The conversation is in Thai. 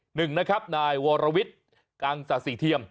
หนึ่งนะครับนายวรวิทย์กังศาสีเทียม